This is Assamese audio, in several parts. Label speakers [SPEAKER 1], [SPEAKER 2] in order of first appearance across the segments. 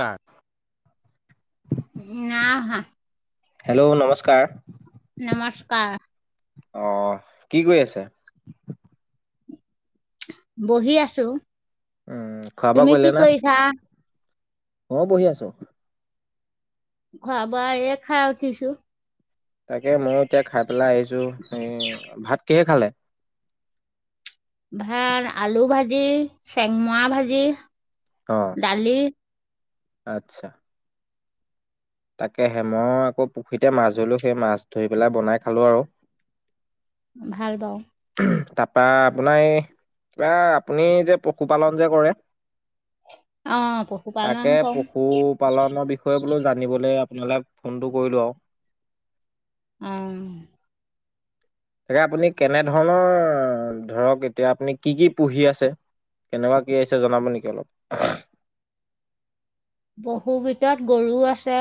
[SPEAKER 1] কাৰ
[SPEAKER 2] না অহা
[SPEAKER 1] হেল্ল' নমস্কাৰ
[SPEAKER 2] নমস্কাৰ
[SPEAKER 1] অহ কি কৰি আছা
[SPEAKER 2] বহি আছোঁ
[SPEAKER 1] উম,
[SPEAKER 2] তুমি কি কৰিছা
[SPEAKER 1] মও বহি আছোঁ
[SPEAKER 2] খোৱা বোৱা এই খাই উঠিছো
[SPEAKER 1] তাকে মও এতিয়া খাই পেলাই আহিছোঁ এই ভাত কিহে খালে
[SPEAKER 2] ভাত আলু ভাজি, চেংমৰা ভাজি
[SPEAKER 1] অ'
[SPEAKER 2] দালি
[SPEAKER 1] আচ্ছা তাকে হে মই আকৌ পুখুৰীতে মাছ ধৰিলোঁ সেই মাছ ধৰি পেলাই বনাই খালোঁ আৰু
[SPEAKER 2] ভাল পাওঁ
[SPEAKER 1] উমহ তাপা আপোনাৰ এই কিবা আপুনি যে পশুপালন যে কৰে।
[SPEAKER 2] অ পশুপালন
[SPEAKER 1] তাকে
[SPEAKER 2] কৰো
[SPEAKER 1] পশুপালনৰ বিষয়ে। জানিবলে আপোনালে ফোনটো কৰিলো আৱ।
[SPEAKER 2] উম
[SPEAKER 1] তাকে আপুনি কেনেধৰণৰ ধৰক এতিয়া আপুনি কি কি পুহি আছে কেনেকুৱা কি আছে জনাব নেকি অলপ।
[SPEAKER 2] পহু ভিতৰত গৰুও আছে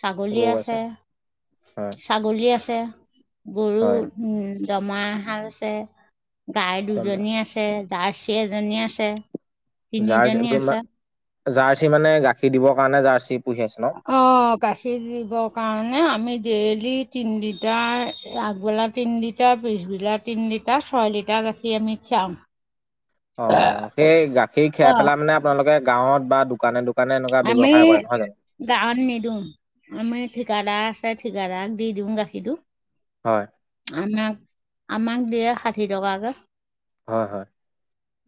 [SPEAKER 2] ছাগলী আছে
[SPEAKER 1] হয়
[SPEAKER 2] ছাগলী আছে গৰু
[SPEAKER 1] হয়।
[SPEAKER 2] উম দমৰা এহাল আছে। গাই
[SPEAKER 1] একদম
[SPEAKER 2] দুজনী আছে। জাৰ্চি এজনী আছে।
[SPEAKER 1] জাৰ্চি
[SPEAKER 2] তিনিজনি আছে
[SPEAKER 1] জাৰ্চি মানে গাখীৰ দিবৰ কাৰণে জাৰ্চি পুহি আছে ন?
[SPEAKER 2] অ গাখীৰ দিব কাৰণে আমি ডেইলী। গাখী তিনি লিটাৰ আগবেলা তিনি লিটাৰ পিছবেলা তিনি লিটাৰ ছয় লিটাৰ গাখীৰ আমি খিয়াও।
[SPEAKER 1] অ সেই গাখীৰ খীৰাই
[SPEAKER 2] অ'।
[SPEAKER 1] পেলাই মানে আপোনালোকে গাঁৱত বা দোকানে দোকান
[SPEAKER 2] আমি গাঁৱত নিদিওঁ আমি ঠিকাদাৰ আছে। ঠিকাদাৰক দি দিওঁ গাখীৰটো
[SPEAKER 1] হয়
[SPEAKER 2] আমাক আমাক দিয়ে ষাঠি টকাকে।
[SPEAKER 1] হয় হয়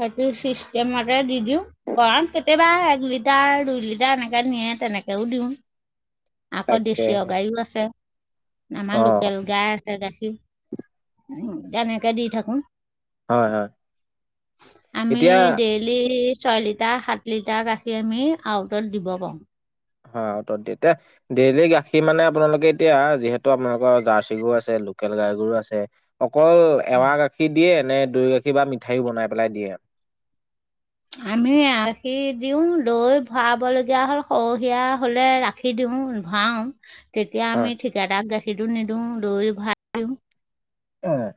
[SPEAKER 2] সেইটো চিষ্টম মতে দি গৰম কেতিয়া। এক লিটাৰ দুই লিটাৰ এনেকাে নিয়ে তেনেকেও দিওঁ। আকৌ দেশি অ
[SPEAKER 1] তাকেহে
[SPEAKER 2] গায়ও আছে।
[SPEAKER 1] অ
[SPEAKER 2] আমাৰ লোকেল গাই উ আছে গাখীৰ তেনেকে দি থাকো
[SPEAKER 1] হয় হয়
[SPEAKER 2] আমি
[SPEAKER 1] এতিয়া
[SPEAKER 2] ডেইলি ছয় লিটাৰ সাত লিটাৰ গাখীৰ আমি আউটত দিব পাৰোঁ।
[SPEAKER 1] অ ত এতিয়া ডেইলি গাখীৰ মানে আপোনালোকে এতিয়া যিহেতু আপোনালোকৰ জাৰ্চি গৰু আছে লোকেল গাই গৰু আছে। অকল এৱাহ গাখীৰ দিয়ে। ম দৈ গাখীৰ বা মিঠাইও বনাই পেলাই দিয়ে।
[SPEAKER 2] আমি ৰাখি দিওঁ দৈ ভৰাব লগীয়া হলে সৰহীয়া হলে ৰাখি দিও ভৰাও তেতিয়া
[SPEAKER 1] হয়
[SPEAKER 2] আমি ঠিকাাদাক গাখীৰ সেইটো নিদিওঁ দৈ ভাল দিও।
[SPEAKER 1] উম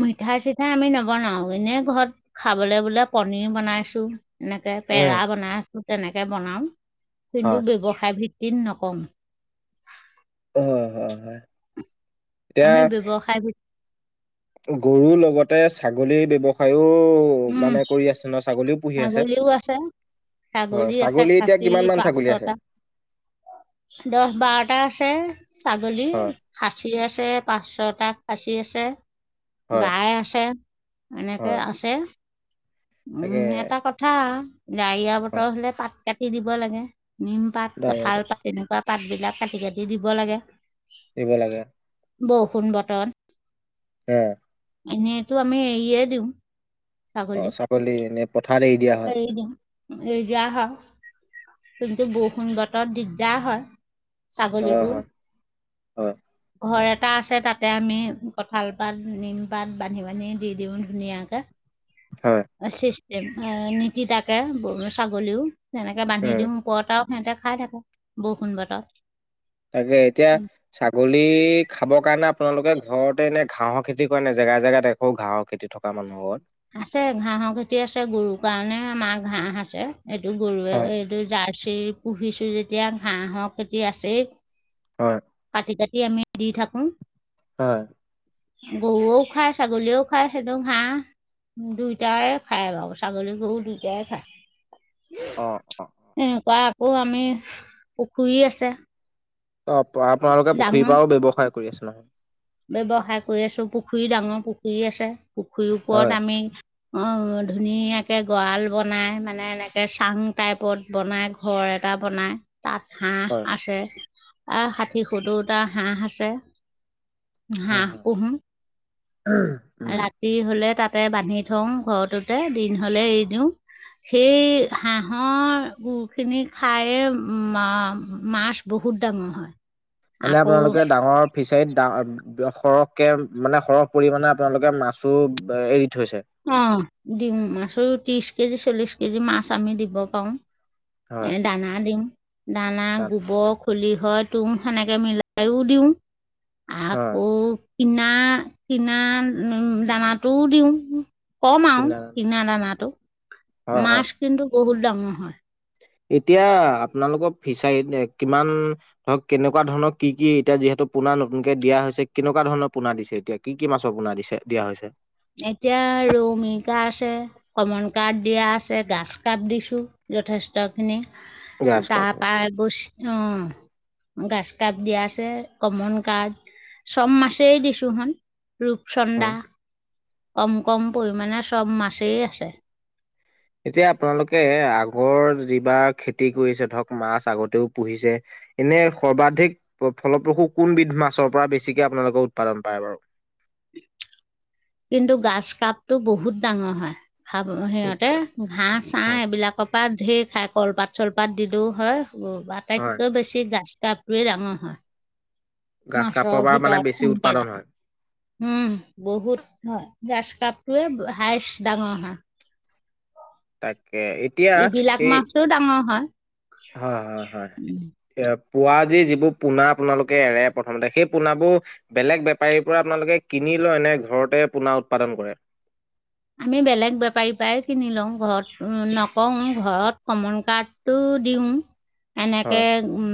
[SPEAKER 2] মিঠাই মিচি, এ ', আমি নবনাও এনেই ঘৰত খাবলৈ বোলে পনীৰ বনাইছো। এনেকে পেৰা বনাই, তেনেকে বনাম,
[SPEAKER 1] হয়
[SPEAKER 2] কিন্তু ব্যৱসায় ভিত্তিত, ঘিণ নকৰোঁ।
[SPEAKER 1] হয়- হয়- হয়
[SPEAKER 2] আমি
[SPEAKER 1] এতিয়া
[SPEAKER 2] ব্যৱসায় বি,
[SPEAKER 1] গৰুৰ লগত, -তে', ছাগলীৰ ব্যৱসায়, টো মানে কৰি আছে ন ছাগলীও, '
[SPEAKER 2] ছাগলীও আছে, ছাগলী আছে
[SPEAKER 1] এতিয়া
[SPEAKER 2] খাচী
[SPEAKER 1] কিমান মান
[SPEAKER 2] পাঁচ-
[SPEAKER 1] ছাগলী আছে?
[SPEAKER 2] ছটা দহ -বাৰটা আছে ছাগলী
[SPEAKER 1] হয়
[SPEAKER 2] খাচী। খাচী আছে পাঁচ-ছটা, খাচী আছে।
[SPEAKER 1] হয়
[SPEAKER 2] গাই আছে এনেকে
[SPEAKER 1] হয়
[SPEAKER 2] আছে,
[SPEAKER 1] তাকে
[SPEAKER 2] উম ', এটা কথা, অ', ডাৱৰীয়া
[SPEAKER 1] অ
[SPEAKER 2] বতৰ হলে পাত, কাটি দিব লাগে। নিম পাত
[SPEAKER 1] দাই
[SPEAKER 2] -কঁঠাল পাত তেনেকুৱা পাত বিলাক কাটি-কাটি দিব লাগে।
[SPEAKER 1] দিব লাগে।
[SPEAKER 2] বৰষুণ বতৰত
[SPEAKER 1] উম
[SPEAKER 2] এনেইতো আমি এৰিয়ে দিওঁ।
[SPEAKER 1] অ
[SPEAKER 2] ছাগলীক
[SPEAKER 1] ছাগলী নে পথাৰত এৰি দিয়া হয়।
[SPEAKER 2] এৰি দিয়া হয় কিন্তু বৰষুণ বতৰ দিগদাৰ হয়। ছাগলী
[SPEAKER 1] হয়
[SPEAKER 2] গু।
[SPEAKER 1] হয় হয়।
[SPEAKER 2] ঘৰ এটা আছে তাতে আমি কঠাল পাত নিমপাত বান্ধি-বান্ধি দি দিওঁ ধুনীয়াকে।
[SPEAKER 1] হয়
[SPEAKER 2] [unintelligible] নীতিতাকে গৰু ছাগলীও। এনেকে বান্ধি
[SPEAKER 1] উম
[SPEAKER 2] দিওঁ ওপৰত আৰু সিঁহতে খাই থাকো, বৰষুণ বতৰত।
[SPEAKER 1] তাকে এতিয়া ছাগলী খাবৰ কাৰণে আপোনালোকে ঘৰতে এনে ঘাঁহৰ খেতি কৰা নাই, জেগা-জেগাই দেখো ঘাঁহৰ খেতি থকা মানুহৰ ঘৰত?
[SPEAKER 2] আছে ঘাঁহৰ খেতি আছে গৰুৰ কাৰণে আমাৰ ঘাঁহ আছে। এইটো গৰুৱে
[SPEAKER 1] হয়
[SPEAKER 2] এইটো জাৰ্চিৰ পুহিছো যে এতিয়া ঘাঁহৰ খেতি আছেই।
[SPEAKER 1] হয়।
[SPEAKER 2] কাটি-কাটি আমি দি থাকো।
[SPEAKER 1] হয়।
[SPEAKER 2] গহৰুৱেও খাই ছাগলীয়েও খাই সেইটো ঘাঁহ। দুইটাই খায় বাৰু ছাগলী গৰু দুইটাই খায়।
[SPEAKER 1] অ অ
[SPEAKER 2] এনেকুৱা আকৌ আমি পুখুৰী আছে।
[SPEAKER 1] অ আপোনালোকে পুখুৰীৰ
[SPEAKER 2] ডাঙৰ
[SPEAKER 1] পৰাও ব্যয়ৱসায় কৰি আছে নহয়।
[SPEAKER 2] ব্যৱসায় কৰি আছো পুখুৰী ডাঙৰ পুখুৰী আছে। পুখুৰীৰ
[SPEAKER 1] হয়
[SPEAKER 2] ওপৰত আমি অ ধুনীয়াকে গড়াল বনাই মানে এনেকে চাং টাইপত বনায় ঘৰ এটা বনায়। তাত
[SPEAKER 1] হয়
[SPEAKER 2] হাঁহ আছে, প্ৰায়
[SPEAKER 1] হয়
[SPEAKER 2] ষাঠি সত্তৰটা হাঁহ আছে।
[SPEAKER 1] হয়
[SPEAKER 2] হাঁহ
[SPEAKER 1] হয়।
[SPEAKER 2] পুহো,
[SPEAKER 1] উম,
[SPEAKER 2] ৰাতি হলে তাত তাতে বান্ধি থওঁ ঘৰটোতে, দিন হলে এৰি দিওঁ, সেই হাঁহৰ গো-খিনি খাইয়ে মাছ বহুত ডাঙৰ হয়।
[SPEAKER 1] মানে,
[SPEAKER 2] আকৌ
[SPEAKER 1] আপোনালোকে ডাঙৰ ফিচাৰীত ডা সৰহকে মানে সৰহ পৰিমাণে আপোনালোকে মাছো এৰি থৈছে
[SPEAKER 2] অ, ডিম মাছে ত্ৰিছ কেজি, চল্লিশ কেজি, মাছ আমি দিব পাৰো।
[SPEAKER 1] হয়
[SPEAKER 2] এ দানা দিম দানা,
[SPEAKER 1] তাত
[SPEAKER 2] গোবৰ। খুলি হয় তোম, সেনেকে মিলাইও দিওঁ।
[SPEAKER 1] হয়
[SPEAKER 2] আকৌ কিনা-কিনা উম, দানাটোও দিওঁ। কম আৰু কিনা দানাটো।
[SPEAKER 1] হয় হয়
[SPEAKER 2] মাছ কিন্তু বহুত ডাঙৰ হয়।
[SPEAKER 1] এতিয়া, আপোনালোকৰ ফিচাৰীত কিমান ধৰক কেনেকুৱা ধৰণৰ কি কি? এতিয়া যিহেতু পোনা নতুনকে দিয়া হৈছে, কেনেকুৱা ধৰণৰ পোনা দিছে এতিয়া? কি কি মাছৰ পোনা দিছে - দিয়া হৈছে?
[SPEAKER 2] এতিয়া ৰৌ, মিকা আছে, কমন কাৰ্প দিয়া আছে, গাছ কাপ দিছো যথেষ্ট খিনি।
[SPEAKER 1] গ্ৰাছ কাপ
[SPEAKER 2] তাৰ
[SPEAKER 1] হয়
[SPEAKER 2] পা [unintelligible] অ, গাছ কাপ দিয়া আছে, কমন কাৰ্প, চব মাছেই দিছো সোণ। ৰূপচন্দা।
[SPEAKER 1] হয়।
[SPEAKER 2] কম-কম পৰিমানে চব মাছেই আছে।
[SPEAKER 1] এতিয়া আপোনালোকে আগৰ যিবাৰ খেতি কৰিছে, ধৰক মাছ আগতেও পুহিছে। এনে সৰ্বাধিক প - ফলপ্ৰসূ কোনবিধ মাছৰ পৰা বেছিকে আপোনালোকে উৎপাদন পায় বাৰু?
[SPEAKER 2] কিন্তু গাছ কাপটো বহুত ডাঙৰ হয়। খাবলে সিহঁতে, ঘাঁ-চাহ
[SPEAKER 1] হয়
[SPEAKER 2] এইবিলাকৰ পৰা ঢেৰ খাই, কলপাত-চলপাত দিলেও হয়। অ,
[SPEAKER 1] হয়
[SPEAKER 2] আটাইতকৈ বেছি গাছ কাপটোৱে ডাঙৰ হয়।
[SPEAKER 1] গাছ কাপৰ
[SPEAKER 2] মাছৰ
[SPEAKER 1] পৰা মানে
[SPEAKER 2] ভিতৰত
[SPEAKER 1] বেছি উৎপাদন
[SPEAKER 2] সোনকালে,
[SPEAKER 1] হয়
[SPEAKER 2] উম বহুত হয়। গাছ কাপটোৱে হাইচ ডাঙৰ হয়।
[SPEAKER 1] তাত
[SPEAKER 2] ইবিলাক মাছটো ডাঙৰ হয়।
[SPEAKER 1] হয়-হয়-হয়, এতিয়া পোৱা যি যিবোৰ পোনা আপোনালোকে এৰে, প্ৰথমতে সেই পোনাবোৰ বেলেগ বেপাৰীৰ পৰা আপোনালোকে কিনি লৈ নে, ঘৰতে পোনা উৎপাদন কৰে?
[SPEAKER 2] আমি বেলেগ বেপাৰীৰ পৰাই কিনি লওঁ, ঘৰত নকওঁ, ঘৰত কমন কাৰ্প টো দিওঁ। এনেকে
[SPEAKER 1] হয়
[SPEAKER 2] উম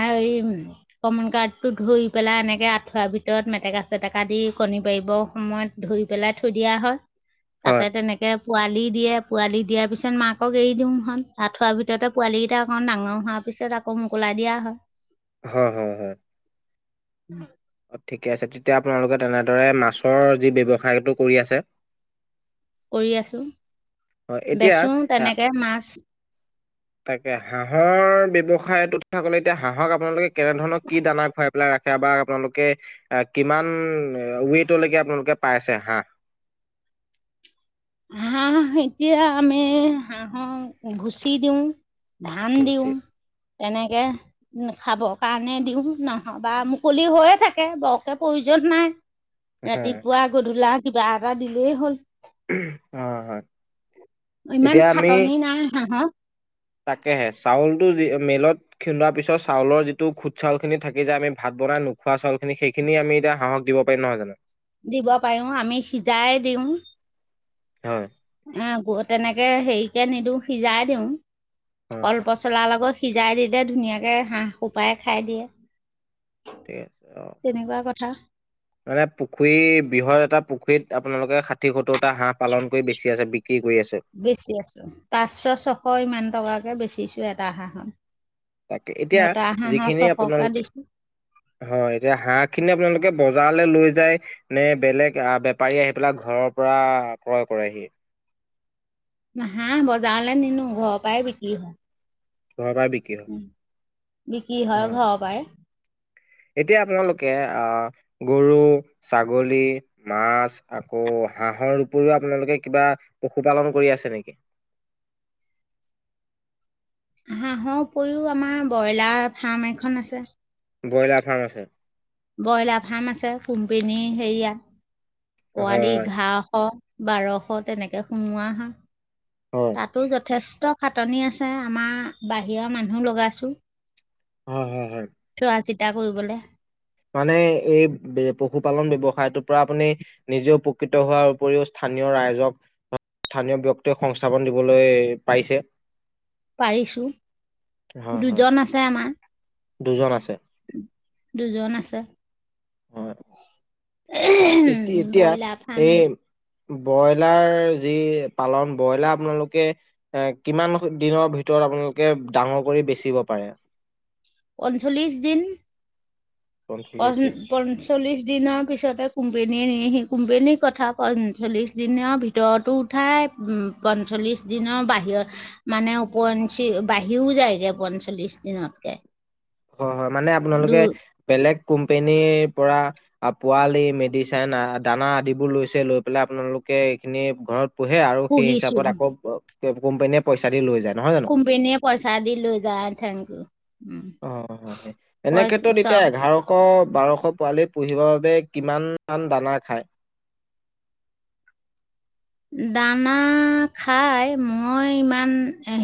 [SPEAKER 2] হেৰি কমন কাৰডটো ধুই পেলাই, এনেক আঁঠুৱা ভিতৰত, মেটেকা চেটেকা দি, কণী পাৰিবৰ সময়ত ধৰি পেলাই থৈ দিয়া হয়।
[SPEAKER 1] হয়
[SPEAKER 2] তাতে তেনেকে পোৱালি দিয়ে, পোৱালি দিয়াৰ পিছত মাকক এৰি দিওঁ নহয়। আঠুৱা ভিতৰতে পোৱালী কেইটা অকণ ডাঙৰ হোৱাৰ পিছত আকৌ মোকলাই দিয়া হয়।
[SPEAKER 1] হয়! হয়! হয়!
[SPEAKER 2] উম।
[SPEAKER 1] অ, ঠিকে আছে, তেতিয়া আপোনালোকে তেনেদৰে মাছৰ যি ব্যৱসায়টো কৰি আছে।
[SPEAKER 2] কৰি আছো,
[SPEAKER 1] হয়
[SPEAKER 2] বেচোঁ
[SPEAKER 1] এতিয়া
[SPEAKER 2] তেনেকে মাছ।
[SPEAKER 1] তাকে হাঁহৰ ব্যৱসায়টোত ক'লে এতিয়া, হাঁহক আপোনালোকে কেনে ধৰণৰ কি দানা খোৱাই পেলাই ৰাখে, বা আপোনালোকে কিমান ৱেইটলৈকে আপোনালোকে পাইছে হাঁহ।
[SPEAKER 2] হাঁহ এতিয়া আমি, হাঁহক, ভূচি দিওঁ। ধান দিওঁ।
[SPEAKER 1] ভুচি
[SPEAKER 2] তেনেকে খাবৰ কাৰণে দিওঁ। নহয় বা মুকলি হৈয়ে থাকে, বৰকে প্ৰয়োজন নাই।
[SPEAKER 1] হয়
[SPEAKER 2] ৰাতিপুৱা গধূলা। কিবা এটা দিলেই হ'ল।
[SPEAKER 1] অ' হয়!
[SPEAKER 2] ইমান
[SPEAKER 1] এতিয়া আমি,
[SPEAKER 2] খাটনি নাই হাঁহক
[SPEAKER 1] তাকেহে চাউল মিলত খিন্দোৱা পিছত চাউলৰ যিটো খুট চাউল খিনি থাকি যায়, আমি ভাত বনাই নোখোৱা চাউল খিনি। সেইখিনি আমি এতিয়া হাঁহক দিব পাৰিম নহয় জানোঁ।
[SPEAKER 2] দিব পাৰিম অ' আমি সিজাই দিওঁ।
[SPEAKER 1] হয়।
[SPEAKER 2] অ'হ তেনেকে হেৰিকে নিদিওঁ, সিজাই দিওঁ।
[SPEAKER 1] হয়
[SPEAKER 2] কলপচলা লগত। সিজাই দিলে, ধুনীয়াকে হাঁহ সোপাই খাই দিয়ে।
[SPEAKER 1] ঠিক আছে, অ'।
[SPEAKER 2] হা?
[SPEAKER 1] মানে পুখুৰী বৃহৎ এটা পুখুৰীত আপোনালোকে ষাঠি সত্তৰটা হাঁহ পালন কৰি বেছি আছে। বিক্ৰী কৰি আছে
[SPEAKER 2] বেছি আছোঁ। পাঁচশ ছশ ইমান টকা বেচিছোঁ এটা হাঁহত।
[SPEAKER 1] তাকে, এতিয়া
[SPEAKER 2] মতা হাঁহৰ
[SPEAKER 1] যিখিনি
[SPEAKER 2] ছশকে
[SPEAKER 1] আপোনালোকে,
[SPEAKER 2] দিছো
[SPEAKER 1] হয়! এতিয়া হাঁহ খিনি আপোনালোকে বজাৰলৈ লৈ যায়, নে বেলেগ আহ, বেপাৰীয়ে আহি পেলাই ঘৰৰ পৰা ক্ৰয় কৰেহি।
[SPEAKER 2] হাঁহ বজাৰলৈ নিনোঁ। ঘৰৰ পৰাই বিক্ৰী হয়।
[SPEAKER 1] ঘৰৰ পৰা বিক্ৰী হয়
[SPEAKER 2] উম বিক্ৰী
[SPEAKER 1] অ
[SPEAKER 2] হয়, ঘৰৰ পৰাই।
[SPEAKER 1] এতিয়া আপোনালোকে, আহ, গৰু, ছাগলী, মাছ আকৌ হাঁহৰ উপৰিও, আপোনালোকে কিবা পশুপালন কৰি আছে নেকি?
[SPEAKER 2] হাঁহৰ উপৰিও আমাৰ ব্ৰইলাৰ ফাৰ্ম এখন আছে।
[SPEAKER 1] ব্ৰইলাৰ ফাৰ্ম আছে?
[SPEAKER 2] ব্ৰইলাৰ ফাৰ্ম আছে? কোম্পিনী হেৰিয়া পোৱালি
[SPEAKER 1] হয়
[SPEAKER 2] ঘাঁহ ৰ। বাৰশ, তেনেকে সোমাৱা হয়।
[SPEAKER 1] হয়
[SPEAKER 2] তাতোঁ যথেষ্ট খাটনি আছে আমাৰ বাহিৰৰ মানুহ লগাইছো।
[SPEAKER 1] হয়- হয়- হয়
[SPEAKER 2] এয়া কৰিবলে,
[SPEAKER 1] মানে এই পশুপালন ব্যৱসায়টোৰ পৰা আপুনি নিজেও উপকৃত হোৱাৰ উপৰিও স্থানীয় ৰাইজক স্থানীয় ব্যক্তিক সংস্থাপন দিবলৈ পাইছে।
[SPEAKER 2] পাৰিছো
[SPEAKER 1] হয়
[SPEAKER 2] দুজন আছে আমাৰ
[SPEAKER 1] দুজন আছে
[SPEAKER 2] দুজন আছে,
[SPEAKER 1] অ এতিয়া এতিয়া
[SPEAKER 2] ব্ৰইলাৰ ফাৰ্ম
[SPEAKER 1] এই ব্ৰইলাৰ যি পালন ব্ৰইলাৰ আপোনালোকে এ কিমান দিনৰ ভিতৰত আপোনালোকে ডাঙৰ কৰি বেচিব পাৰে।
[SPEAKER 2] পঞ্চল্লিশ দিন। প
[SPEAKER 1] পঞ্চল্লিশ দিন
[SPEAKER 2] পঞ্চল্লিশ দিনৰ পিছতে কোম্পানীয়ে নিয়েহি, কোম্পানীৰ কথা পঞ্চল্লিশ দিনৰ ভিতৰতো উঠাই উ পঞ্চল্লিশ দিনৰ বাহিৰত মানে উপৰঞ্চি বাঢ়িও যায়গৈ পঞ্চল্লিশ দিনতকে,
[SPEAKER 1] হয় হয় মানে আপোনালোকে
[SPEAKER 2] দু
[SPEAKER 1] বেলেগ কোম্পানীৰ পৰা, আৰু পোৱালি মেডিচাইন দানা আদিবোৰ লৈছে লৈ পেলাই আপোনালোকে এইখিনি ঘৰত, পোহে আৰু সেই
[SPEAKER 2] পুহিছো
[SPEAKER 1] হিচাপত আকৌ কোম্পানীয়ে পইচা দি লৈ যায়। নহয় জানো
[SPEAKER 2] কোম্পেনীয়েে পইচা দি লৈ যায় থংকি উ
[SPEAKER 1] অ এনে ক্ষেত্ৰত এতিয়া এঘাৰশ শ বাৰশ পোৱালি পঢ়িবৰ বাবে কিমান দানা খায়?
[SPEAKER 2] দানা খাই মই ইমান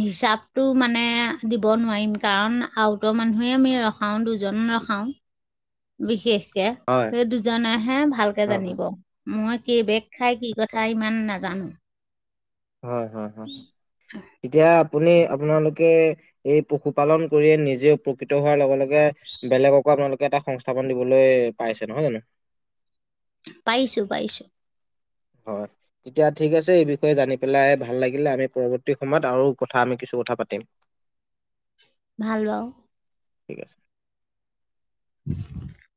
[SPEAKER 2] হিচাপটো মানে দিব নোৱাৰিম কাৰণ আউতৰ মানুহে আমি ৰখাওঁ দুজন ৰখাওঁ বিশেষ। এয়া
[SPEAKER 1] হয়
[SPEAKER 2] সেই দুজনেহে ভালকে
[SPEAKER 1] হয়
[SPEAKER 2] জানিব।
[SPEAKER 1] হয়
[SPEAKER 2] মই কি বেগ খাই কি কথা ইমান নাজানো
[SPEAKER 1] হয়-হয়-হয় এতিয়া আপুনি -আপোনালোকে এই পশুপালন কৰি নিজে উপকৃত হোৱাৰ লগে -লগে বেলেগকো আপোনালোকে এটা সংস্থাপন দিবলৈ পাইছে নহয় জানো।
[SPEAKER 2] পাৰিছোঁ - পাৰিছোঁ,
[SPEAKER 1] হয়, দিয়া থিক আছে, এই বিষয়ে জানিপেলায় ভাল লাগিলে। আৰু পৰৱৰ্তী সময়ত আৰু, আমি কিছু কথা পাতিম।
[SPEAKER 2] ভাল অ',
[SPEAKER 1] ঠিক আছে।
[SPEAKER 2] [unintelligible]